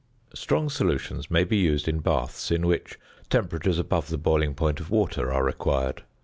Strong solutions may be used in baths in which temperatures above the boiling point of water are required.